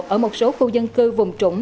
ở một số khu dân cư vùng trũng